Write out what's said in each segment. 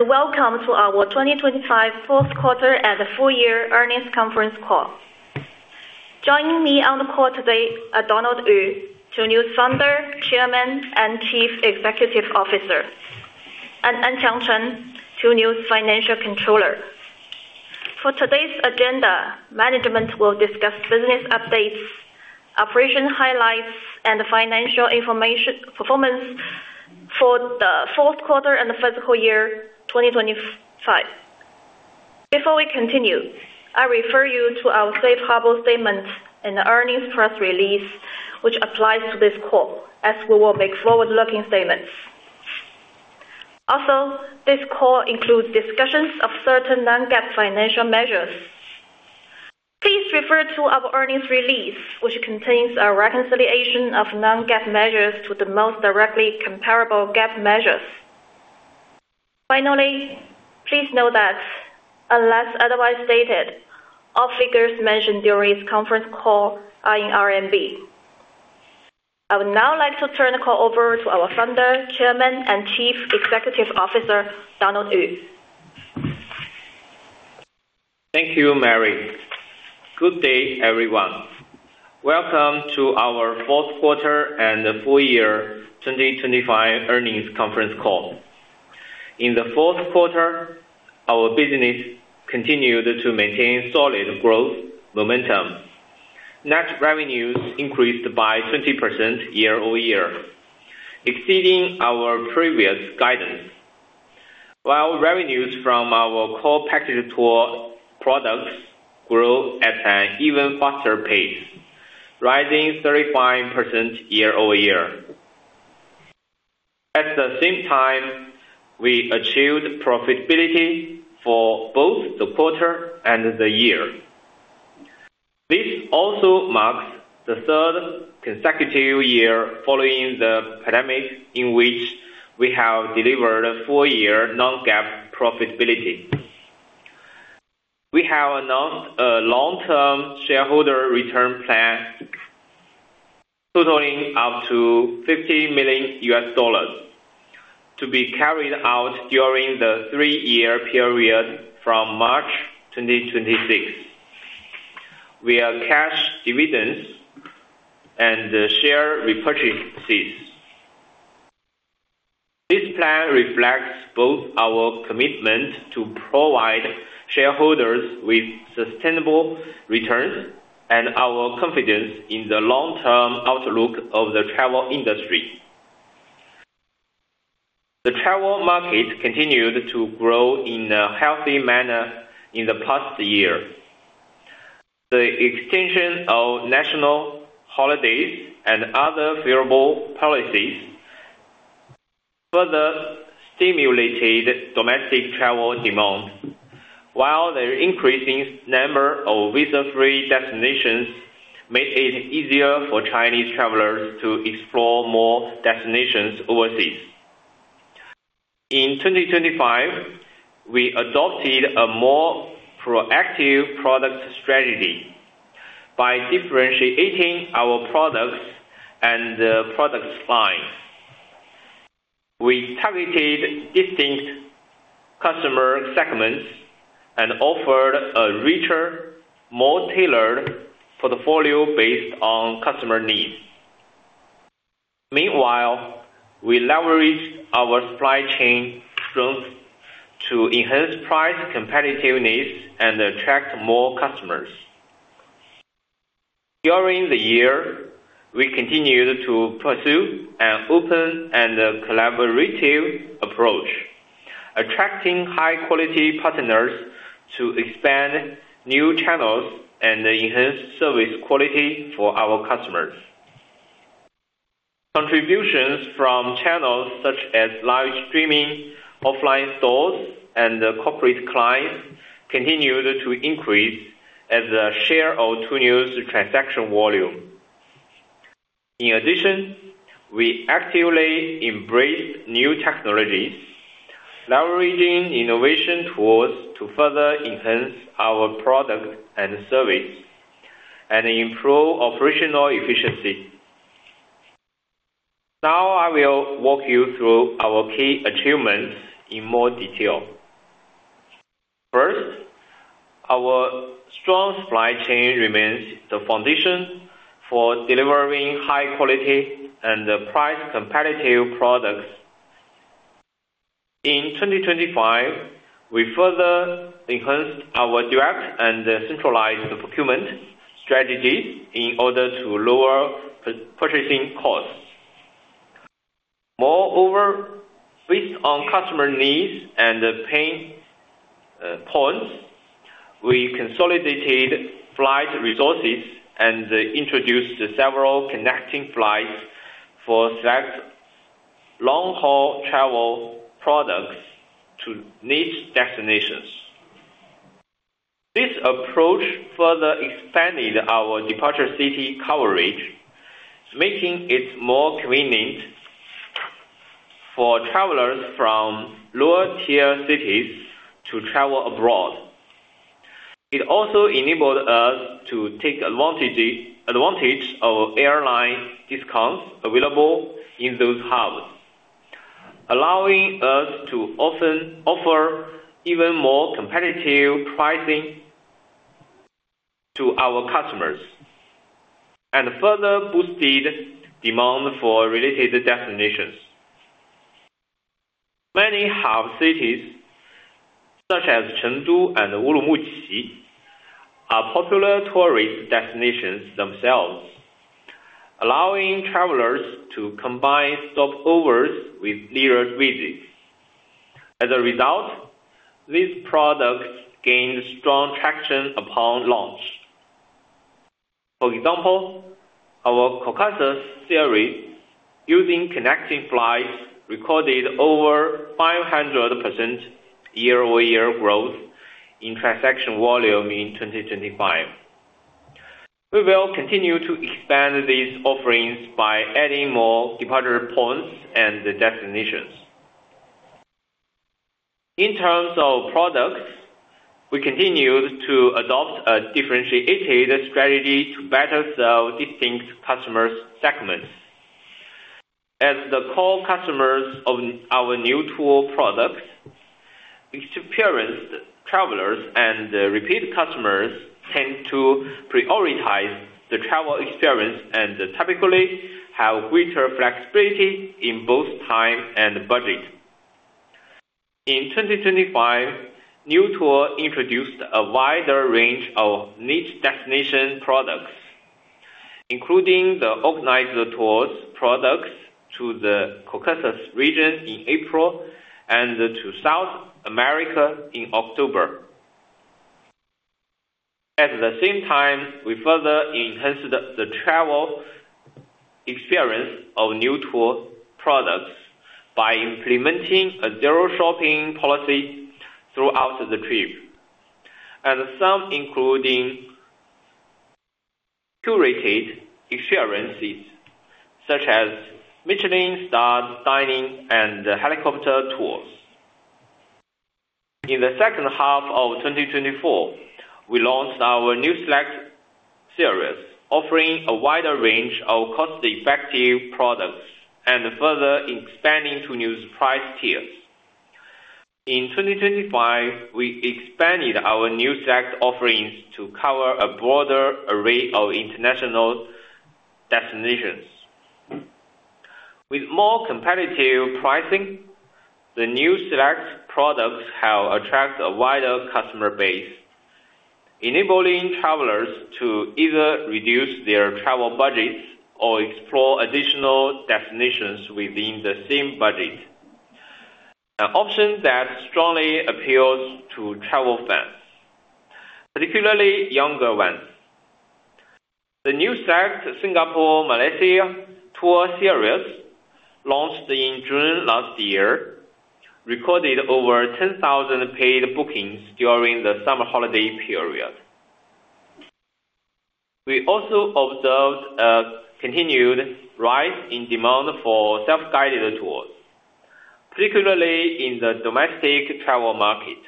Welcome to our 2025 fourth quarter and full year earnings conference call. Joining me on the call today are Donald Yu, Tuniu's founder, chairman, and chief executive officer, and Anqiang Chen, Tuniu's financial controller. For today's agenda, management will discuss business updates, operation highlights, and financial information, performance for the fourth quarter and the fiscal year 2025. Before we continue, I refer you to our safe harbor statements in the earnings press release, which applies to this call, as we will make forward-looking statements. This call includes discussions of certain non-GAAP financial measures. Please refer to our earnings release, which contains a reconciliation of non-GAAP measures to the most directly comparable GAAP measures. Please note that unless otherwise stated, all figures mentioned during this conference call are in RMB. I would now like to turn the call over to our Founder, Chairman, and Chief Executive Officer, Donald Yu. Thank you, Mary. Good day, everyone. Welcome to our fourth quarter and full year 2025 earnings conference call. In the fourth quarter, our business continued to maintain solid growth momentum. Net revenues increased by 20% year-over-year, exceeding our previous guidance, while revenues from our core package tour products grew at an even faster pace, rising 35% year-over-year. At the same time, we achieved profitability for both the quarter and the year. This also marks the 3rd consecutive year following the pandemic in which we have delivered a full year non-GAAP profitability. We have announced a long-term shareholder return plan totaling up to $50 million to be carried out during the three-year period from March 2026. We have cash dividends and share repurchase fees. This plan reflects both our commitment to provide shareholders with sustainable returns and our confidence in the long-term outlook of the travel industry. The travel market continued to grow in a healthy manner in the past year. The extension of national holidays and other favorable policies further stimulated domestic travel demand, while the increasing number of visa-free destinations made it easier for Chinese travelers to explore more destinations overseas. In 2025, we adopted a more proactive product strategy by differentiating our products and product lines. We targeted distinct customer segments and offered a richer, more tailored portfolio based on customer needs. Meanwhile, we leveraged our supply chain strength to enhance price competitiveness and attract more customers. During the year, we continued to pursue an open and collaborative approach, attracting high-quality partners to expand new channels and enhance service quality for our customers. Contributions from channels such as live streaming, offline stores, and corporate clients continued to increase as a share of Tuniu's transaction volume. We actively embraced new technologies, leveraging innovation tools to further enhance our product and service and improve operational efficiency. I will walk you through our key achievements in more detail. First, our strong supply chain remains the foundation for delivering high quality and price competitive products. In 2025, we further enhanced our direct and centralized procurement strategy in order to lower purchasing costs. Moreover, based on customer needs and pain points, we consolidated flight resources and introduced several connecting flights for select long-haul travel products to niche destinations. This approach further expanded our departure city coverage, making it more convenient for travelers from lower-tier cities to travel abroad. It also enabled us to take advantage of airline discounts available in those hubs, allowing us to often offer even more competitive pricing to our customers. Further boosted demand for related destinations. Many hub cities, such as Chengdu and Urumqi, are popular tourist destinations themselves, allowing travelers to combine stopovers with nearer visits. As a result, these products gained strong traction upon launch. For example, our Caucasus series using connecting flights recorded over 500% year-over-year growth in transaction volume in 2025. We will continue to expand these offerings by adding more departure points and destinations. In terms of products, we continued to adopt a differentiated strategy to better serve distinct customer segments. As the core customers of our Niu Tour products, experienced travelers and repeat customers tend to prioritize the travel experience and typically have greater flexibility in both time and budget. In 2025, Niu Tour introduced a wider range of niche destination products, including the organized tours products to the Caucasus region in April and to South America in October. At the same time, we further enhanced the travel experience of Niu Tour products by implementing a zero shopping policy throughout the trip, and some including curated experiences such as Michelin star dining and helicopter tours. In the second half of 2024, we launched our Niu Select series, offering a wider range of cost-effective products and further expanding to new price tiers. In 2025, we expanded our Niu Select offerings to cover a broader array of international destinations. With more competitive pricing, the Niu Select products have attracted a wider customer base, enabling travelers to either reduce their travel budgets or explore additional destinations within the same budget. An option that strongly appeals to travel fans, particularly younger ones. The Niu Select Singapore Malaysia tour series, launched in June last year, recorded over 10,000 paid bookings during the summer holiday period. We also observed a continued rise in demand for self-guided tours, particularly in the domestic travel market.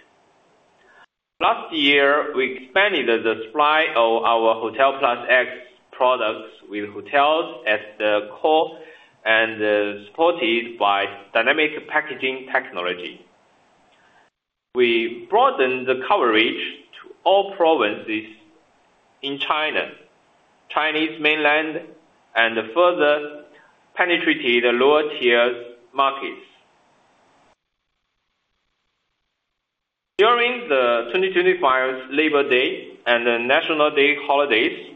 Last year, we expanded the supply of our Hotel + X products with hotels at the core and supported by dynamic packaging technology. We broadened the coverage to all provinces in China, Chinese mainland, and further penetrated lower tier markets. During the 2025 Labor Day and National Day holidays,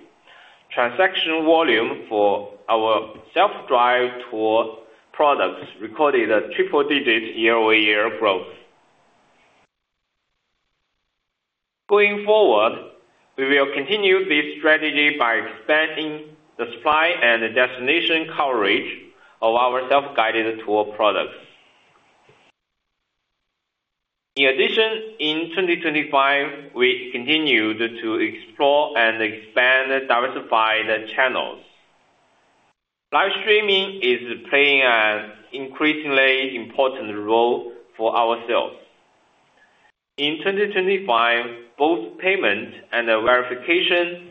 transaction volume for our self-drive tour products recorded a triple digit year-over-year growth. Going forward, we will continue this strategy by expanding the supply and destination coverage of our self-guided tour products. In addition, in 2025, we continued to explore and expand diversified channels. Live streaming is playing an increasingly important role for ourselves. In 2025, both payment and verification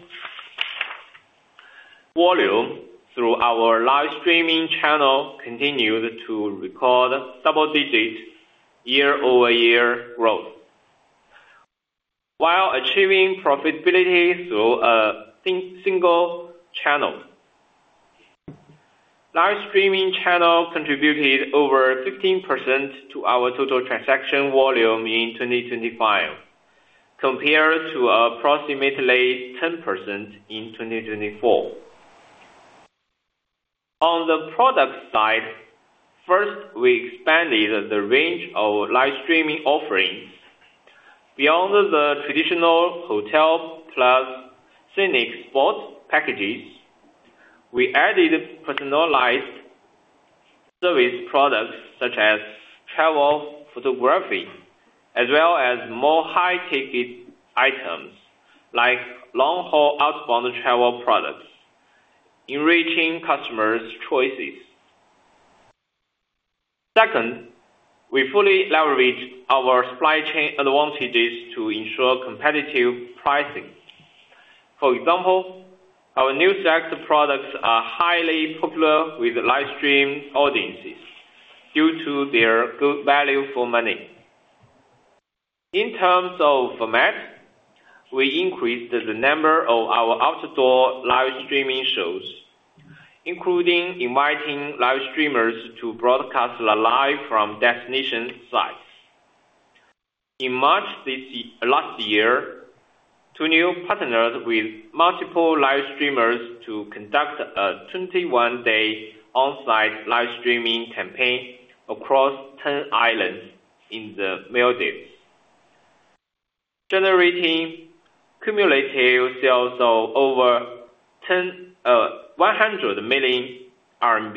volume through our live streaming channel continued to record double digits year-over-year growth, while achieving profitability through a single channel. Live streaming channel contributed over 15% to our total transaction volume in 2025, compared to approximately 10% in 2024. On the product side, first, we expanded the range of live streaming offerings. Beyond the traditional hotel plus scenic spot packages, we added personalized service products such as travel photography, as well as more high ticket items like long-haul outbound travel products, enriching customers' choices. Second, we fully leverage our supply chain advantages to ensure competitive pricing. For example, our Niu Select products are highly popular with live stream audiences due to their good value for money. In terms of format, we increased the number of our outdoor live streaming shows, including inviting live streamers to broadcast live from destination sites. In March last year, Tuniu partnered with multiple live streamers to conduct a 21-day on-site live streaming campaign across 10 islands in the Maldives, generating cumulative sales of over RMB 100 million. On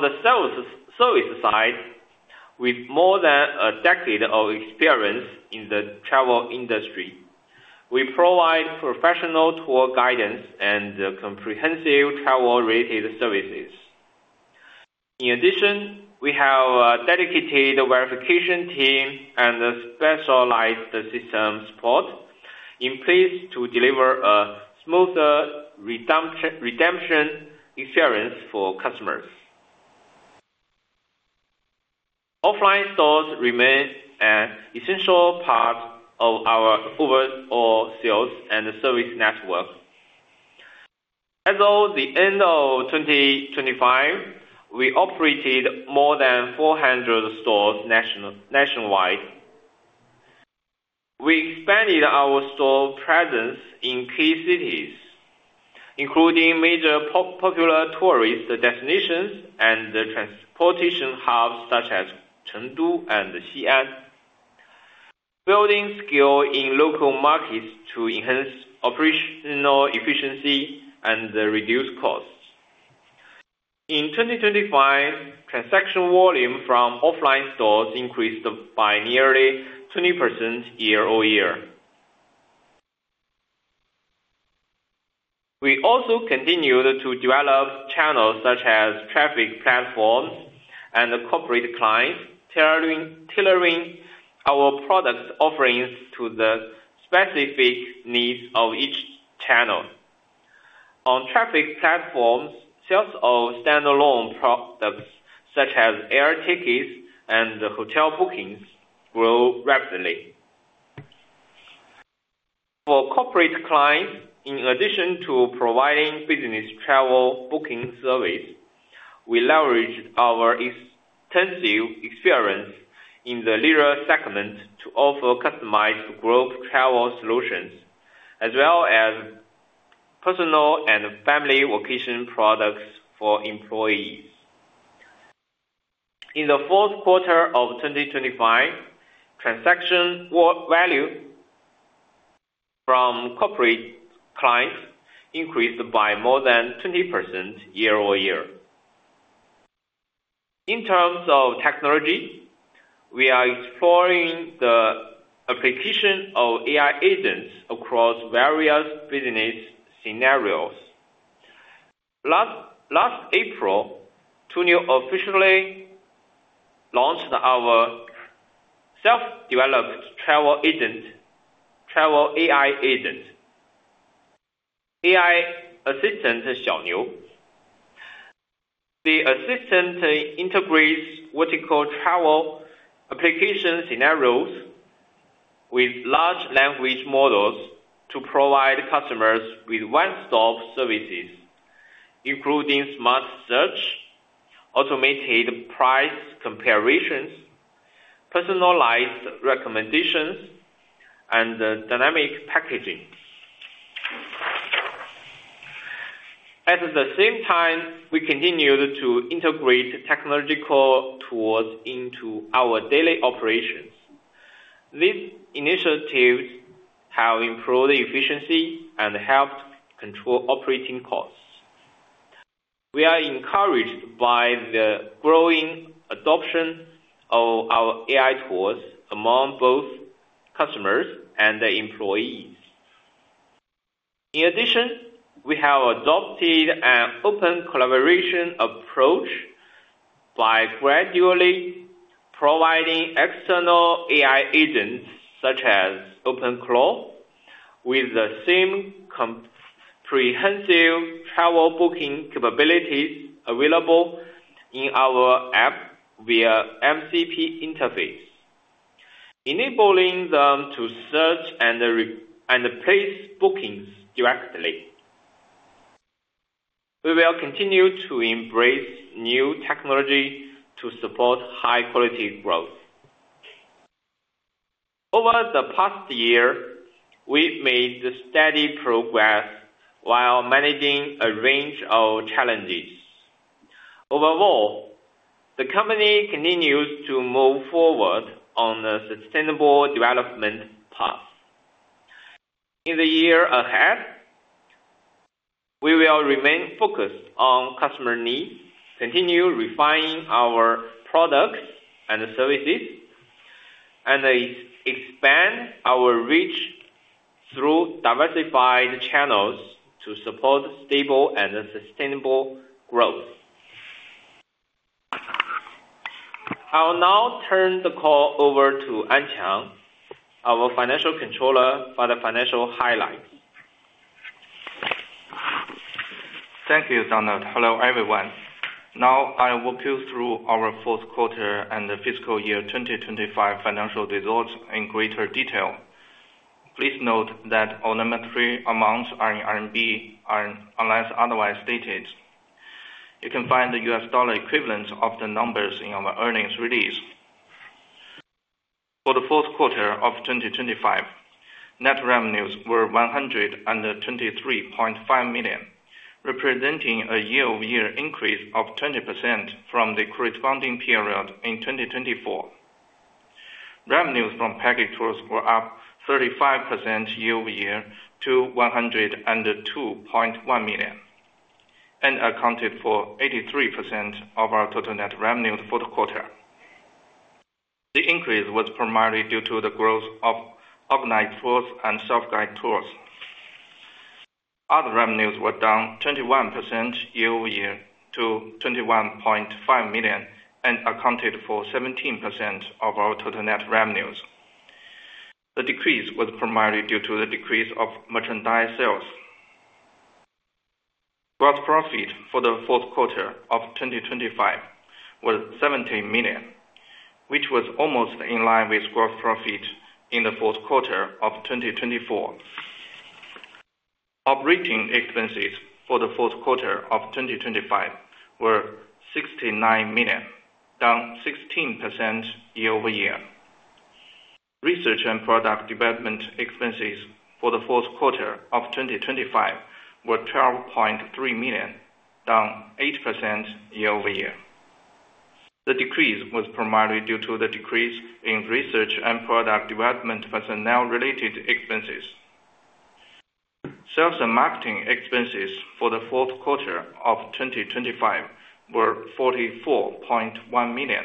the service side, with more than a decade of experience in the travel industry, we provide professional tour guidance and comprehensive travel-related services. In addition, we have a dedicated verification team and a specialized system support in place to deliver a smoother redemption experience for customers. Offline stores remain an essential part of our overall sales and service network. As of the end of 2025, we operated more than 400 stores nationwide. We expanded our store presence in key cities, including major popular tourist destinations and transportation hubs such as Chengdu and Xi'an. Building scale in local markets to enhance operational efficiency and reduce costs. In 2025, transaction volume from offline stores increased by nearly 20% year-over-year. We also continued to develop channels such as traffic platforms and corporate clients, tailoring our product offerings to the specific needs of each channel. On traffic platforms, sales of standalone products such as air tickets and hotel bookings grow rapidly. For corporate clients, in addition to providing business travel booking service, we leveraged our extensive experience in the leisure segment to offer customized group travel solutions as well as personal and family vacation products for employees. In the fourth quarter of 2025, transaction value from corporate clients increased by more than 20% year-over-year. In terms of technology, we are exploring the application of AI agents across various business scenarios. Last April, Tuniu officially launched our self-developed travel agent, travel AI agent, AI assistant Xiao Niu. The assistant integrates what you call travel application scenarios with large language models to provide customers with one-stop services, including smart search, automated price comparisons, personalized recommendations, and dynamic packaging. We continued to integrate technological tools into our daily operations. These initiatives have improved efficiency and helped control operating costs. We are encouraged by the growing adoption of our AI tools among both customers and the employees. In addition, we have adopted an open collaboration approach by gradually providing external AI agents such as OpenChrome with the same comprehensive travel booking capabilities available in our app via MCP interface, enabling them to search and place bookings directly. We will continue to embrace new technology to support high quality growth. Over the past year, we've made steady progress while managing a range of challenges. Overall, the company continues to move forward on the sustainable development path. In the year ahead, we will remain focused on customer needs, continue refining our products and services, and Diversify the channels to support stable and sustainable growth. I will now turn the call over to Anqiang, our Financial Controller, for the financial highlight. Thank you, Donald. Hello, everyone. Now I'll walk you through our fourth quarter and the fiscal year 2025 financial results in greater detail. Please note that all monetary amounts are in RMB, unless otherwise stated. You can find the U.S. dollar equivalents of the numbers in our earnings release. For the fourth quarter of 2025, net revenues were 123.5 million, representing a year-over-year increase of 20% from the corresponding period in 2024. Revenues from package tours were up 35% year-over-year to 102.1 million, and accounted for 83% of our total net revenues for the quarter. The increase was primarily due to the growth of organized tours and self-guided tours. Other revenues were down 21% year-over-year to 21.5 million, and accounted for 17% of our total net revenues. The decrease was primarily due to the decrease of merchandise sales. Gross profit for the fourth quarter of 2025 was 17 million, which was almost in line with gross profit in the fourth quarter of 2024. Operating expenses for the fourth quarter of 2025 were 69 million, down 16% year-over-year. Research and product development expenses for the fourth quarter of 2025 were 12.3 million, down 8% year-over-year. The decrease was primarily due to the decrease in research and product development personnel-related expenses. Sales and marketing expenses for the fourth quarter of 2025 were 44.1 million,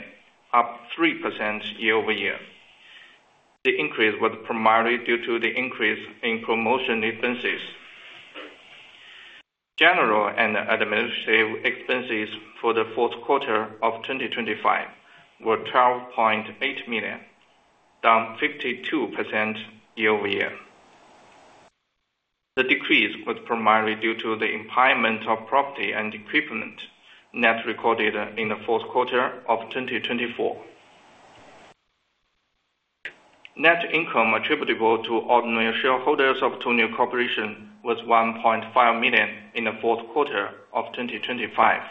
up 3% year-over-year. The increase was primarily due to the increase in promotion expenses. General and administrative expenses for the fourth quarter of 2025 were 12.8 million, down 52% year-over-year. The decrease was primarily due to the impairment of property and equipment net recorded in the fourth quarter of 2024. Net income attributable to ordinary shareholders of Tuniu Corporation was 1.5 million in the fourth quarter of 2025.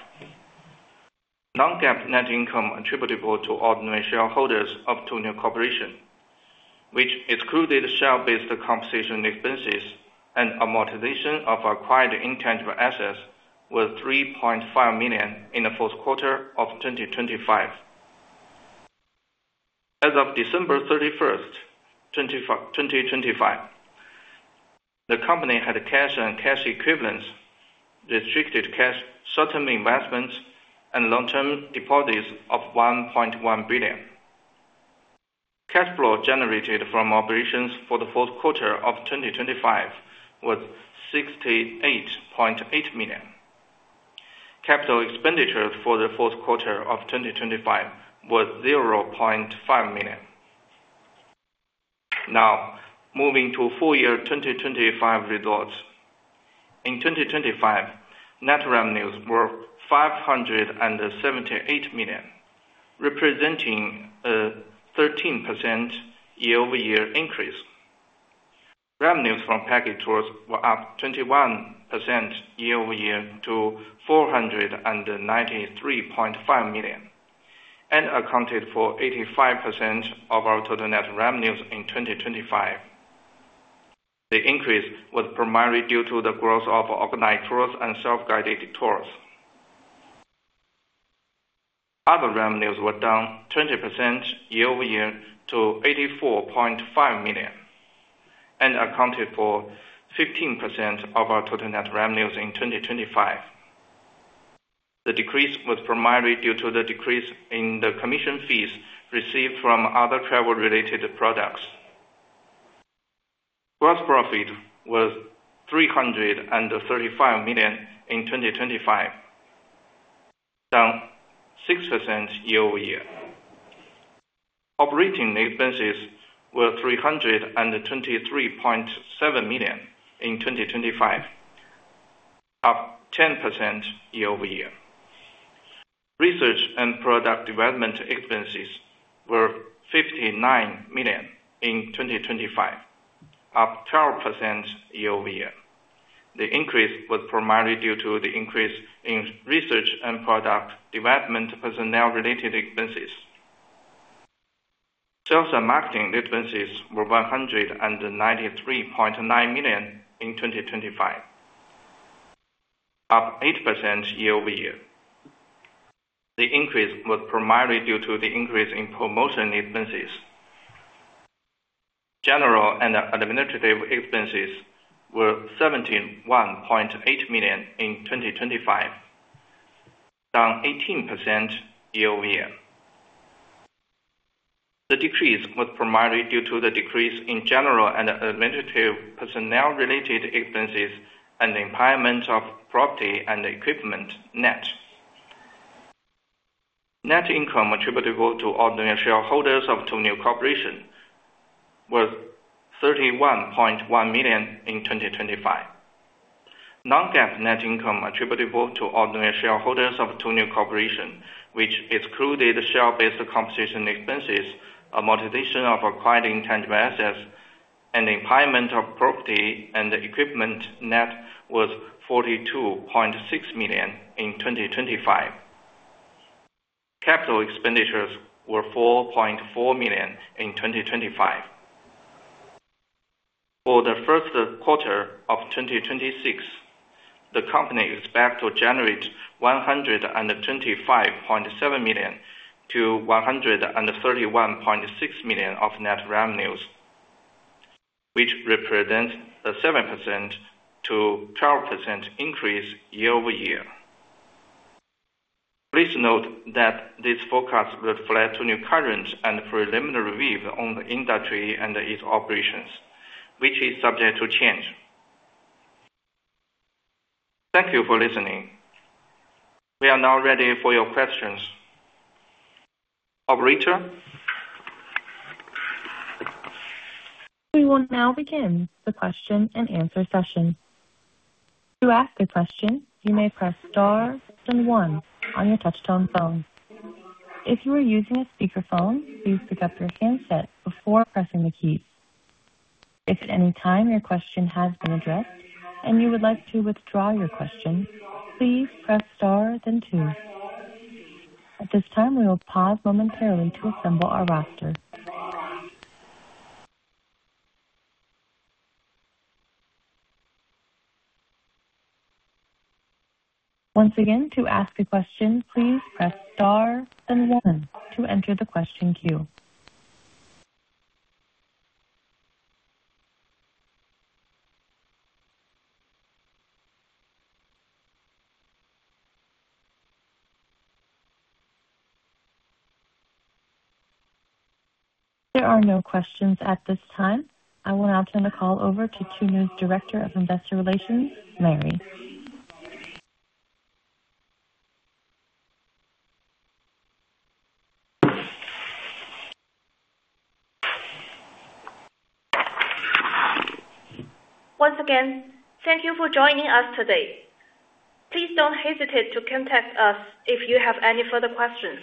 Non-GAAP net income attributable to ordinary shareholders of Tuniu Corporation, which excluded share-based compensation expenses and amortization of acquired intangible assets, was 3.5 million in the fourth quarter of 2025. As of December 31st, 2025, the company had cash and cash equivalents, restricted cash, short-term investments, and long-term deposits of 1.1 billion. Cash flow generated from operations for the fourth quarter of 2025 was 68.8 million. Capital expenditures for the fourth quarter of 2025 was 0.5 million. Now, moving to full year 2025 results. In 2025, net revenues were 578 million, representing a 13% year-over-year increase. Revenues from package tours were up 21% year-over-year to 493.5 million, accounted for 85% of our total net revenues in 2025. The increase was primarily due to the growth of organized tours and self-guided tours. Other revenues were down 20% year-over-year to 84.5 million, accounted for 15% of our total net revenues in 2025. The decrease was primarily due to the decrease in the commission fees received from other travel-related products. Gross profit was 335 million in 2025, down 6% year-over-year. Operating expenses were 323.7 million in 2025, up 10% year-over-year. Research and product development expenses were 59 million in 2025, up 12% year-over-year. The increase was primarily due to the increase in research and product development personnel-related expenses. Sales and marketing expenses were 193.9 million in 2025, up 8% year-over-year. The increase was primarily due to the increase in promotion expenses. General and administrative expenses were 71.8 million in 2025, down 18% year-over-year. The decrease was primarily due to the decrease in general and administrative personnel related expenses and impairment of property and equipment net. Net income attributable to ordinary shareholders of Tuniu Corporation was 31.1 million in 2025. Non-GAAP net income attributable to ordinary shareholders of Tuniu Corporation, which excluded share-based compensation expenses, amortization of acquired intangible assets, and impairment of property and equipment net was 42.6 million in 2025. Capital expenditures were 4.4 million in 2025. For the first quarter of 2026, the company expects to generate $125.7 million-$131.6 million of net revenues, which represents a 7%-12% increase year-over-year. Please note that this forecast reflects Tuniu current and preliminary view on the industry and its operations, which is subject to change. Thank you for listening. We are now ready for your questions. Operator? We will now begin the question-and-answer session. To ask a question, you may press star then one on your touch-tone phone. If you are using a speakerphone, please pick up your handset before pressing the key. If at any time your question has been addressed and you would like to withdraw your question, please press star then two. At this time, we will pause momentarily to assemble our roster. Once again, to ask a question, please press star then one to enter the question queue. There are no questions at this time. I will now turn the call over to Tuniu's Director of Investor Relations, Mary. Once again, thank you for joining us today. Please don't hesitate to contact us if you have any further questions.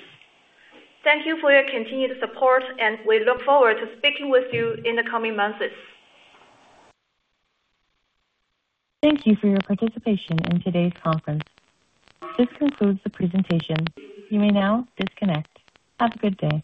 Thank you for your continued support, and we look forward to speaking with you in the coming months. Thank you for your participation in today's conference. This concludes the presentation. You may now disconnect. Have a good day.